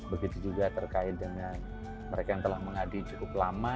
begitu juga terkait dengan mereka yang telah mengabdi cukup lama